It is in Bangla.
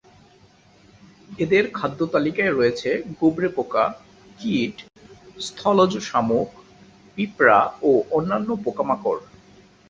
এদের খাদ্যতালিকায় রয়েছে গুবরে পোকা, কীট, স্থলজ শামুক, পিঁপড়া ও অন্যান্য পোকামাকড়।